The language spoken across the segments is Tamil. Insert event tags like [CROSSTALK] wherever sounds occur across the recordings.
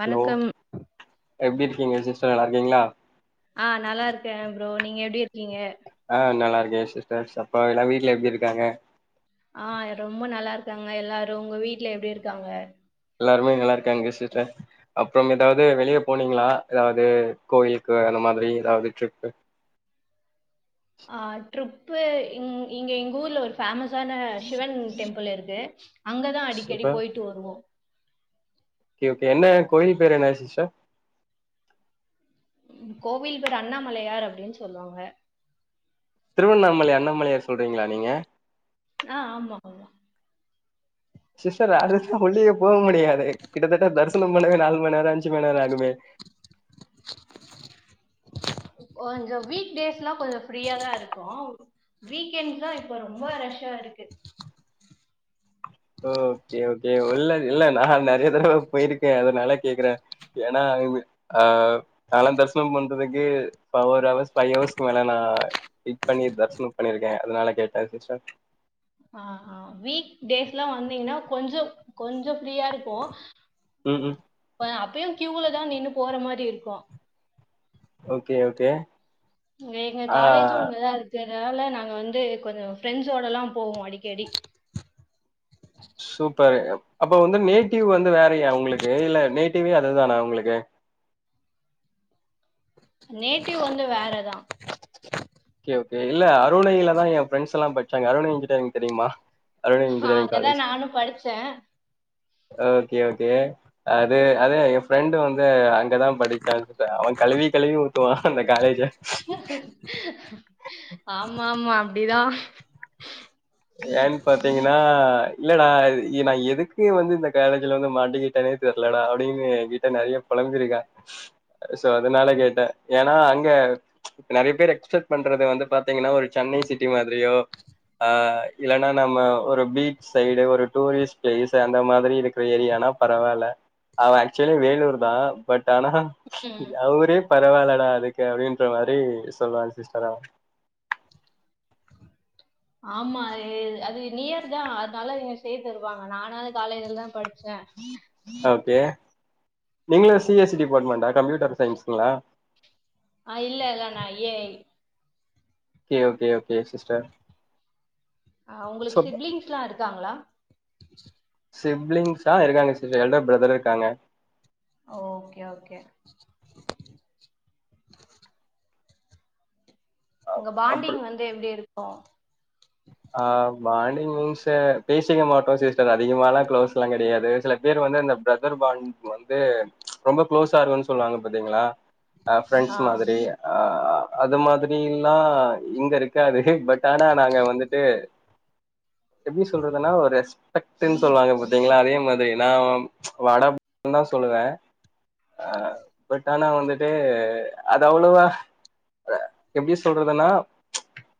வணக்கம் எப்படி இருக்கீங்க சிஸ்டர் நல்லா இருக்கீங்களா ஆ நல்லா இருக்கே ப்ரோ நீங்க எப்டி இருக்கீங்க ஆ நல்லா இருக்கே சிஸ்டர் சப்பா எல்லா வீட்டு்ல எப்படி இருக்காங்க ஆ ரொம்ப நல்லா இருக்காங்க எல்லாரு உங்க வீட்டுல எப்படி இருக்காங்க எல்லாருமே நல்லா இருக்காங்க அங்க சிஸ்டர் அப்புறம் ஏதாவது வெளியே போனீங்களா ஏதாவது கோயிலுக்கு அந்த மாதிரி ஏதாவது ட்ரிப்பு ஆ ட்ரிப்பு இங்க எங்க ஊர்ல ஒரு பேஃமஸ் ஆன சிவன் டெம்பிள் இருக்கு அங்கதா அடிக்கடி சூப்பர் போயிட்டு வருவோ ஓகே ஓகே என்ன கோயில் பேர் என்ன சிஸ்டர் கோவில் பேர் அண்ணாமலையார் அப்டின்னு சொல்லுவாங்க திருவண்ணாமலை அண்ணாமலையார் சொல்றீங்களா நீங்க ஆ ஆமா ஆமா சிஷ்டர் அதுதா உள்ளே போ முடியாது கிட்டத்தட்ட தரிசனம் பண்ணவே நாலு மணி நேர அஞ்சு மணி நேர ஆகுமே கொஞ்சம் வீக்டேஸ்லா கொஞ்ச ஃப்ரீயா தா இருக்கு வீக்கெண்ட்ஸ் தா இப்ப ரொம்ப ரஷ்ஷா இருக்கு ஓ ஓகே ஓகே உள்ள இல்ல நா நிறைய தடவ போயிருக்கே அதனால கேக்குறே ஏன்னா ஆ நான்லா தரிசனம் பண்றதுக்கு ஃபோர் ஹவர்ஸ் ஃபைவ் ஹவர்ஸ்க்கு மேல நா வெயிட் பண்ணி தரிசனம் பண்ணிருக்கே அதனால கேட்டேன் சிஸ்டர் ஆ ஆ வீக் டேஸ்லா வந்தீங்கன்னா கொஞ்ச கொஞ்ச ஃப்ரீயா இருக்கு உம் உம் அப்பயும் கியூல தா நின்னு போற மாதிரி இருக்கு ஓகே ஓகே எங்க ஆ காலேஜும் இங்கதா இருக்கு அதனால நாங்க வந்து கொஞ்ச ஃப்ரெண்ட்ஸோடல்லா போவோ அடிக்கடி சூப்பரு அப்ப வந்து நேட்டிவ் வந்து வேறையா உங்களுக்கு இல்ல நேட்டிவே அதுதானா உங்களுக்கு நேட்டிவ் வந்து வேறதா ஓகே ஓகே இல்ல அருணையிலதா என் பிரெண்ட்ஸ்லா படிச்சாங்க அருணை இஞ்சினரிங்க் தெரியுமா அருணை இன்ஜினியரிங் அங்கதா காலேஜ். நானும் படிச்ச ஓகே ஓகே அது அது என் ஃப்ரெண்டு வந்து அங் அங்கதா படிச்சான் சிஸ்டர் அவ கழுவி கழுவி ஊத்துவா அந்த காலேஜ ஆமா ஆமா அப்டிதா ஏன்னு பாத்தீங்கன்னா இல்லடா நா எதுக்கு வந்து இந்த காலஜ்ல வந்து மாட்டிக்கிட்டேனே தெர்லடா அப்படின்னு என்கிட்ட நெறைய புழம்பிருக்கா சோ அதனால கேட்டே ஏன்னா அங்க நெறைய பேர் எக்ஸ்பெக்ட் பண்றது வந்து பாத்தீங்கன்னா ஒரு சென்னை சிட்டி மாதிரியோ ஆ இல்லன்னா நம்ம ஒரு பீச் சைடு ஒரு டூரிஸ்ட் பிளேஸ் அந்த மாதிரி இருக்கிற ஏரியானா பரவால்ல அவன் ஆக்சுவலி வேலூர் தா பட் ஆனா ம் அவ ஊரே பரவாயில்லடா அதுக்கு அப்படின்ற மாரி சொல்லுவா சிஸ்டர் அவ ஆமா அது நியர் தா அதனால இங்க சேர்த்தருவாங்க நானது காலேஜ்ல தா படிச் ஓகே நீங்களு சி எஸ் சி டிபார்ட்மெண்டா கம்ப்யூட்டர் சயின்ஸளா ஆ இல்லல்ல A I K okay okay sister உங்களுக்கு சோ சிப்லிங்ஸ் எல்லா இருக் க்காங்களா சிப்லிங்ஸா இருக்காங்க சிஸ்டர் எல்டர் பிரதர் இருக்காங்க ஓகே ஓகே உங்க அப்ற பாண்டிங் வந்து எப்டி இருக் ம் ஆ பாண்டிங் மீன்ஸு பேசிக்க மாட்டோம் சிஸ்டர் அதிகமால்லா க்ளோஸ்ல்லா கிடையாது சில பேர் வந்து அந்த பிரதர் பாண்ட் வந்து ரொம்ப க்ளோஸா இருக்கும்னு சொல்லுவாங்க பாத்தீங்களா ஆ ஃப்ரெண்ட்ஸ் மாதிரி அ அது மாதிரிலா இங்க இருக்காது து பட் ஆனா நாங்க வந்துட் அ‌ எப்டி சொல்றதுன்னா ஒரு ரெஸ்பெக்ட்டுன்னு சொல்வாங்க பாத்தீங்களா அதே மாதிரி நா வாட தா சொல்லுவேன் அ பட் ஆனா வந்துட்டு அது அவ்ளோவா எப்டி சொல்றதுன்னா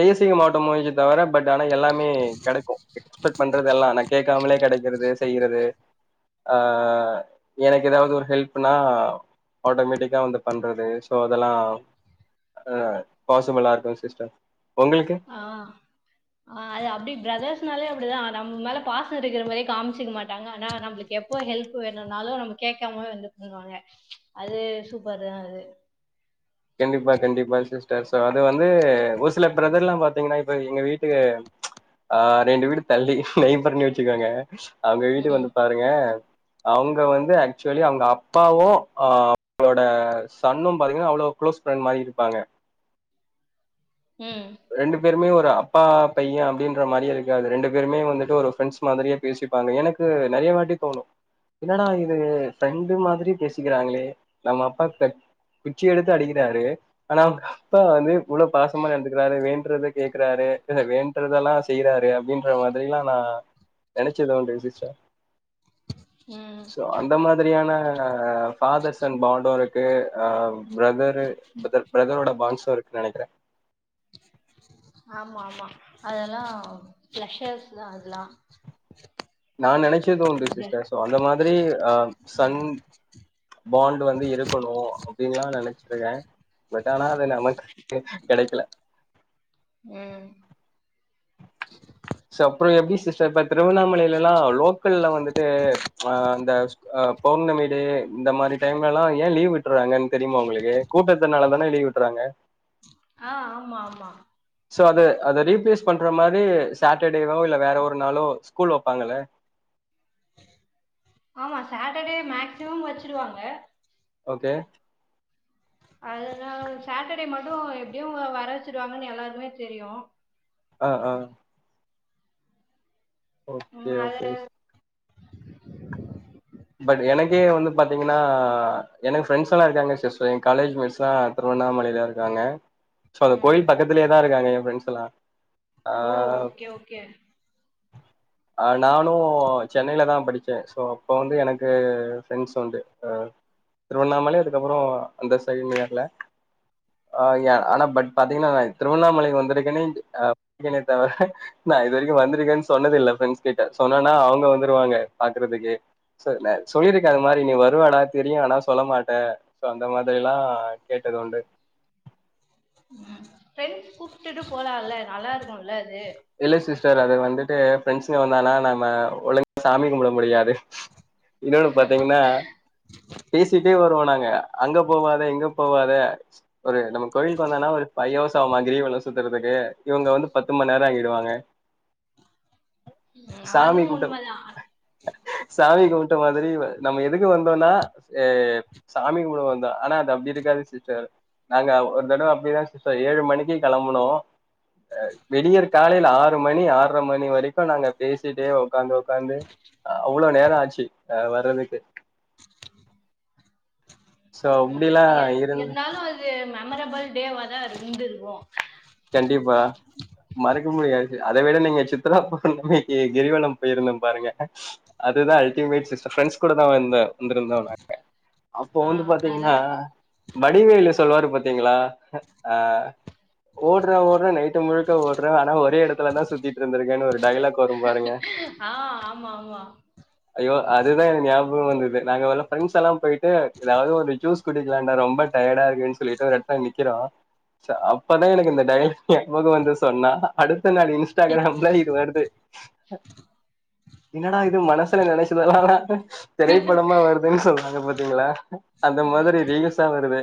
பேசிக்க மாட்டோமே ஒழிஞ்சி தவர ஆனா எல்லாமே கெடைக்கு எக்ஸ்பெக்ட் பண்றதெல்லா நா கேட்காமலே கெடைக்கிறது செய்றது ஆ எனக்கு ஏதாவது ஒரு ஹெல்ப்னா ஆட்டோமேட்டிக்கா வந்து பண்றது ஸோ அதெல்லா ஆ பாசிபிளா இருக்கும் சிஸ்டர் ஒங்களுக்கு ஆ ஆ அது அப்டி பிரதர்ஸ்னாலே அப்டிதா நம்ம மேல பாசோம் இருக்குற மாரியே காம்ச்சுக்க மாட்டாங்க ஆனா நம்பளுக்கு எப்போ ஹெல்ப் வேணும்னாலு நம்ம கேக்காமவே வந்து பண்ணுவாங்க அது சூப்பர் தா அது கண்டிப்பா கண்டிப்பா சிஸ்டர் சோ அது வந்து ஒரு சில பிரதர்ல்லா பாத்தீங்கன்னா இப்ப எங்க வீட்டு ஆ ரெண்டு வீடு தள்ளி நெய்பர்ன்னே வச்சுக்கோங்க அவுங்க வீட்டுக்கு ம் வந்து பாருங்க அவுங்க வந்து ஆக்சுவலி அவுங்க அப்பாவும் ஆ அவுங்களோட சன்னும் பாத்தீங்கன்னா அவ்ளோ க்ளோஸ் ஃப்ரெண்ட் மாரி இருப்பாங்க ம் ரெண்டு பேருமே வந் அ அப்பா பையன் அப்டின்ற மாரியே இருக்காது ரெண்டு பேருமே வந்துட்டு ஒரு ஃப்ரெண்ட்ஸ் மாதிரியே பேசிப்பாங்க எனக்கு நறைய வாட்டி தோணும் என்னடா இது ஃப்ரெண்டு மாதிரி பேசிக்கிறாங்களே நம்ம அப்பா த குச்சி எடுத் அடிக்கிறாரு ஆனா அவுங்க அப்பா வந்து இவ்ளோ பாசமா நடந்துக்குறாரு வேணுன்றத கேக்குறாரு வேணுன்றதெல்லா செய்றாரு அப்டின்ற மாதிரில்லா நா நெனச்சதுண்டு சிஸ்டர் ம் சோ அந்த மாதிரியான ஆஆ ஃபாதர் சன் பாண்ட்டும் இருக் தே ஆ பிரதரு பிரதர் பிரதரோட பாண்ட்ஸு இருக்கு நெனைக்கிறே ஆமா ஆமா அதெல்லா ப்ளஷர் தா அதுல்லா நா நெனச்சதுண்டு சிஸ்டர் சோ அந்த மாதிரி ஆ சன் பாண்ட் வந்து இருக்கணு அப்டில்லா நெனச்சிருக்கே பட் ஆனா அது நமக்கு கெடைக்கல ம் சப்றோ எப்டி சிஸ் சர் இப்ப திருவண்ணாமலையிலலா லோக்கல்ல வந்துட்டு ஆ அந்த ஆ பௌர்ணமி டே இந்த மாரி டைம்லல்லா ஏன் லீவ் விட்டுறாங்கன்னு தெரியுமா உங்களுக்கு? கூட்டத்துனால தான லீவ் விட்றாங்க. ஆ ஆமா ஆமா சோ அது அத ரீப்ளேஸ் பண்ற மாரி சேட்டர்டேவோ இல்ல வேற ஒரு நாளோ ஸ்கூல் வப்பாங்கல்ல. ஆமா சேட்டர்டே மேக்சிமம் வச்சிருவாங்க. ஓகே அதனால சேட்டர்டே மட்டு எப்டியு வர வச்சிருவாங்கன்னு எல்லார்க்குமே தெரியும். ஆ ஆ ஓக்கே ம் அது ஓகே பட் எனக்கே வந்து பாத்தீங்கன்னா எனக் ஃப்ரெண்ட்ஸ் எல்லா இருக்றாங்க சிஸ்டர் என் காலேஜ்மேட்ஸ் லா திருவண்ணாமலையில இருக்காங்க சோ அந்த ம் கோயில் பக்கத்திலேயே தா இருக்காங்க எ ஃப்ரெண்டஸ் எல்லா ஓ ஓகே ஓகே அ நானு சென்னையிலதா படிச்சே சோ அப்போ வந்து எனக்கு ஃப்ரெண்ஸ் உண்டு அ திருவண்ணாமலை அதுக்கப்புறோ அந்த சனி ஞாயிற்ல அ எ ஆனா பட் பாத்தீங்கன்னா நா திருவண்ணாமலை வந்துருக்கே [UNINTELLIGIBLE] தவிர நா இது வரிக்கு வந்துருக்கேன் சொன்னது இல்ல ஃப்ரெண்ஸ் கிட்ட சொன்னேனா அவுங்க வந்துருவாங்க பாக்குறதுக்கு சோ நா சொல்லியிருக்கே அது மாரி நீ வருவடா தெரியு ஆனா சொல்ல மாட்டே சோ அந்த மாதிரில்லா கேட்டதுண்டு ம் ஃப்ரெண்ஸ் கூப்டுட்டு போலால்ல நல்லா இருக்குல்ல அது இல்ல சிஸ்டர் அது வந்துட்டு ஃப்ரெண்ஸ்ங்க வந்தானா நாம ஒழுங்கா சாமி கும்பிட முடியாது இன்னொன்னு பாத்தீங்கன்னா பேசிட்டே வருவோ நாங்க அங்க போவாத இங்க போவாத ஒரு நம்ம கோயிலுக்கு வந்தனா ஒரு ஃபை ஹர்ஸ் ஆகுமா கிரிவலோ சுத்துறதுக்கு இவங்க வந்து பத்து மண் நேர செய்வாங்க உம் அதுவு உண்மதா ட மாதிரி வ நம்ம எதுக்கு வந்தோன்னா ஏ சாமி கும்பிட வந்தோ ஆனா அது அப்டி இருக்காது சிஸ்டர் நாங்க ஒரு தடவ அப்படி தா சிஸ்டர் ஏழு மணிக்கு கெளம்புனோ அ வெளிய இருக் காலையில ஆறு மணி ஆற்ர மணி வரிக்கு நாங்க பேசிட்டே ஒக்காந்து ஒக்காந்து அவ்வளோ நேர ஆச்சு அ வர்றதுக்கு சோ உம் அப்படிலாம் இர் இருந்து இர்ந்தாலு அது ம மெமரபல் டேவா தா இருந்திருக்கோ கண்டிப்பா மறக்க முடியாது அத விட நீங்க சித்ரா பௌர்ணமிக்கு கிரிவலம் போயிருந்தே பாருங்க அதுதா அல்டிமேட் சிஸ்டர் ஃப்ரெண்ஸ் கூட தா வந்தே வந்திருந்தோ நாங்க அப்போ ஆ வந்து அது பாத்தீங்கன்னா வடிவேலு சொல்லுவாரு பாத்தீங்களா அ ஆ ஓடுறே ஓட்றே நைட்டு முழுக்க ஓடுறே ஆனா ஒரே எடத்துலதா சுத்திட்ருந்திருக்கேன்னு ஒரு டைலாக் வரும் பாருங்க ஆ ஆமா ஆமா அய்யோ அதுதா எனக் ஞாபம் வந்துது நாங்க எல்லா பிரண்ட்ஸ் எல்லா போய்ட்டு எதாவது ஒரு ஜூஸ் குடிக்கிலானு ரொம்ப டயடா இருக்குன் சொல்லிட்டு ஒரு எட்த்ல நிக்கிறோ [UNINTELLIGIBLE] இப்பதா எனக் இந்த டய்லா ஞாபகோ வந்து சொன்னா அடுத் இது இன்ஸ்டாகிராம் ல இது வருது அ இன்னடா இது மனசுல நெனைச்சதெல்லா உ திரைப்படமா வருதுன் சொல்லுவாங்க பா க்கீங்களா அ அந்த ம் மாதிரி ரீல்சா வருது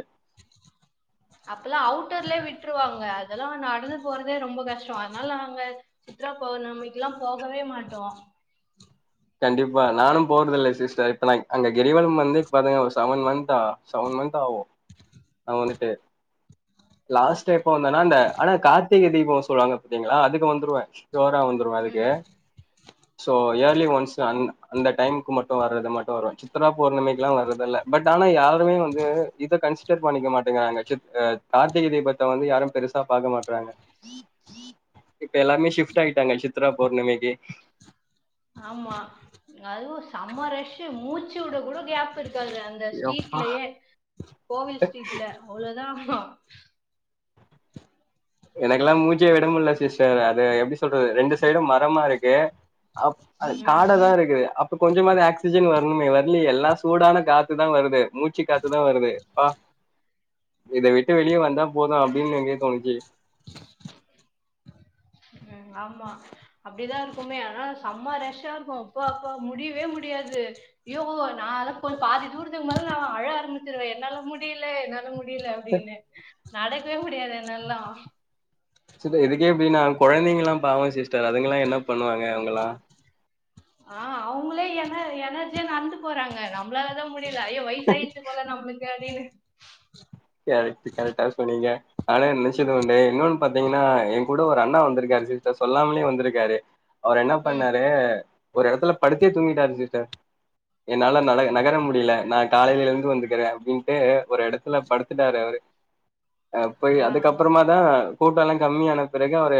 அப்பல்லா அவுட்டோர்லே விட்ருவாங்க அதெல்லா நடந்த் போறதே ரொம்போ கஷ்டோ அத்னால நாங்க சித்ரா பௌர்ணமிக்குலா போகவே மாட்டோ கண்டிப்பா நானு போற்தில்ல சிஸ்டர் இப்ப நா அங்க கிரிவலம் வந்து பாத்தீங்க ஒரு செவன் மந்தா அ செவன் மந்த் ஆவு அ வந்துட்டு லாஸ்ட் எப்ப வந்தனா இந்த ஆனா கார்த்திகை தீபோ சொல்வாங்க பாத்தீங்களா அதுக்கு வந்துருவே ஜோரா வந்துருவ அதுக்கு ம் சோ யேர்லி ஒன்ஸ் அந் அந்த டைமுக்கு மட்டு வர்றது மட்டு வருவ சித்ரா பௌர்ணமிக்கி லா வர்தில்ல பட் ஆனா யாருமே வந்து இத கன்சிடர் பண்ணிக்க மாட்டேங்கறாங்க சித் அ கார்த்திகை தீபத்த வந்து யாரு பெருசா பாக்க மாட்றாங்க இப்ப எல்லாமே ஷிஃப்ட் ஆய்ட்டாங்க சித்ரா பௌர்ணிமிக்கி ஆமா அதுவும் செம்ம ரஷு மூச்சு விட கூட கேப் இருக்கு அந்த எப்பா ஸ்ட்ரீட்லயே கோவில் ஸ்ட்ரீட்ல அவ்ளோதான் எனக்கெல்லாம் மூச்சே விடமுல சிஸ்டர் அது எப்டி சொல்றது ரெண்டு சைடும் மரமா இருக்கு அ அ ம் காட தான் இருக்குது இப்ப கொஞ்சமச்சு ஆக்சிஜன் வரணுமே வரல எல்லாம் சூடான காத்துதான் வருது மூச்சு காத்துதா வருதுப்ப இத விட்டு வெளியே வந்தா போதும் அப்படின்னு எங்கேயே தோணுச்சு ம் ஆமா அப்படிதான் இருக்குமே ஆனால செம்ம ரெஷ் ஹ இருக்கும் அப்ப அப்பா முடியவே முடியாது யோ நான் அதாம் பாதி தூரத்துக்கு மேல நான் அழ ஆரம்பிச்சிருவே என்னால முடில என்னால மு முடில அப்டின்னு நடக்கவே முடியாது என்னல்லாம் கொழந்தைங்கலாம் பாவம் சிஸ்டர் அதுங்கல்லாம் என்ன பண்ணுவாங்க அவங்கலாம் ஆ அவுங்களே என எனர்ஜிய நடந்து போறாங்க நம்மளால தான் முடிய இல்ல வயசு ஆயிர்ச்சு போல நமக்கு க்கதினு கரெக்ட் கரெக்டா சொன்னீங்க ஆனா நெனைச்சது ஒன்னு இன்னொன்னு பாத்தீங்கன்னா என் கூட ஒரு அண்ணா வந்திருக்காரு சிஸ்டர் சொல்லாமலேயே வந்துருக்காரு அவரு என்ன ம் பண்ணாரு ஒரு இடத்துல படிடுத்தே தூங்கிட்டாரு சீட்டர் என்னால ந நகர முடியல நான் காலையில இருந்து வந்துக்கறே அப்படின்னுட்டு ஒரு இடத்துல படுத்து க்ட்டாரு அவரு அ போய் ஆ ஆ அதுக்கப்பறம தா கூட்ட எல்லாம் கம்மியான பிறகு அவரு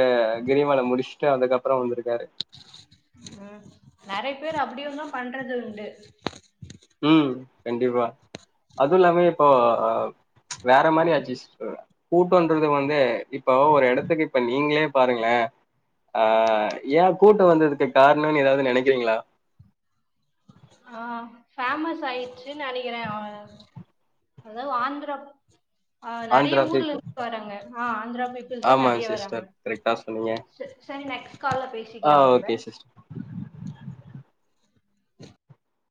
கிரிவலைம் முடிச்சுட்டு அதுக்கப்புறோ வந்திருக்கு ம் நாரே சில பேர் அப்டி ஒன்னு பண்றது உண்டு ம் கண்டிப்பா அதுவும் இல்லாம இப்போஹ் வேற மாரி அச்சி கூட்டுன்றது வந்து இப்போ ஒரு இடத்துக்கு இப்ப நீங்களே பாருங்களேன் அ ஏன் கூட்டும் வந்ததுக்கு காரணம்ன்னனு ஏதாவது நெனைக்கிறீங்களா ஆ பேஃமஸ் ஆயிடுச்சுன்னு நெனைக்கிறேன் அதாவது ஆந்திரா ஆ நெறைய ஆந்திரா ஊர்ல பீப்புள் இருந்து வறங்க ஆஹ் ஆந்திரா பீப்புள்ஸ் தான் ஆமா நெறைய வராங்க சிஸ்டர் கரெக்டா சொன்னீங்க செரி நெக்ஸ்ட் காால்ல ஆ பேசிக்கலா நம்ப ஓகே சிஸ்டர்